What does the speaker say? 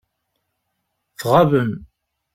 Tɣabem.